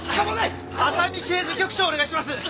浅見刑事局長をお願いします！